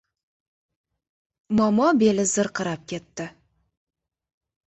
Momo beli zirqirab ketdi.